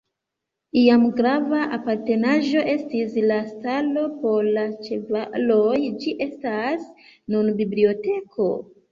Iam grava apartenaĵo estis la stalo por la ĉevaloj, ĝi estas nun biblioteko.